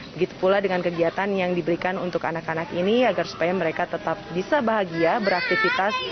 begitu pula dengan kegiatan yang diberikan untuk anak anak ini agar supaya mereka tetap bisa bahagia beraktivitas